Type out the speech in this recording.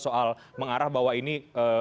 soal mengarah bahwa ini